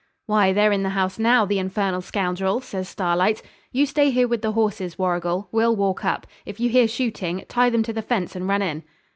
'Why, they're in the house now, the infernal scoundrels,' says Starlight. 'You stay here with the horses, Warrigal; we'll walk up. If you hear shooting, tie them to the fence and run in.'